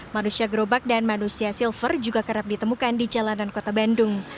manusia gerobak dan manusia silver juga kerap ditemukan di jalanan kota bandung